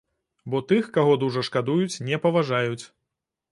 Бо тых, каго дужа шкадуюць, не паважаюць.